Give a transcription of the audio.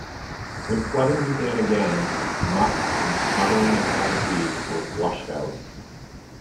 When flooding began again, muck and smothering aquatic weeds were flushed out.